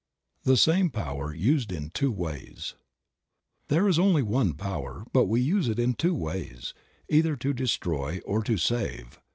THE SAME POWER USED IN TWO WAYS. HTHERE is only One power, but we use it in two ways, either to destroy or to save.